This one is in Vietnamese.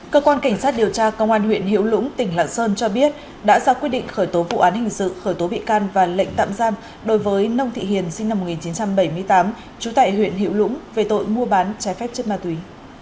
cơ quan cảnh sát điều tra công an huyện hiểu lũng tỉnh lạng sơn cho biết đã ra quyết định khởi tố vụ án hình sự khởi tố bị can và lệnh tạm giam đối với nông thị hiền sinh năm một nghìn chín trăm bảy mươi tám trú tại huyện hiểu lũng về tội mua bán trái phép chất ma túy